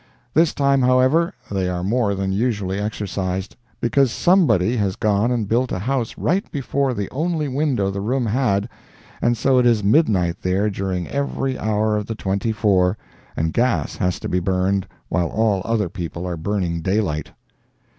This time, however, they are more than usually exercised, because somebody has gone and built a house right before the only window the room had, and so it is midnight there during every hour of the twenty four, and gas has to be burned while all other people are burning daylight.